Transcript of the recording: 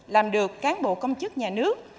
làm được cán bộ công chức nhà nước